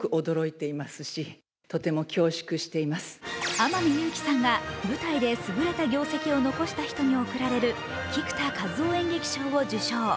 天海祐希さんが舞台で優れた業績を残した人に贈られる菊田一夫演劇賞を受賞。